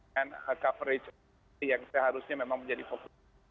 dan coverage yang seharusnya memang menjadi fokus